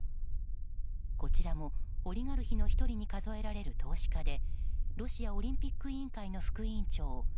こちらもオリガルヒの１人に数えられる投資家でロシアオリンピック委員会の副委員長